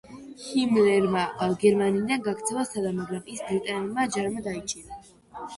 ჰიმლერმა გერმანიიდან გაქცევა სცადა, მაგრამ ის ბრიტანულმა ჯარმა დაიჭირა.